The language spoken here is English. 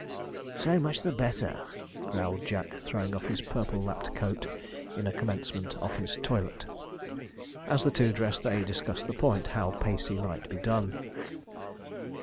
'So much the better,' growled Jack, throwing off his purple lapped coat in commencement of his toilette. As the two dressed they discussed the point how Pacey might be done.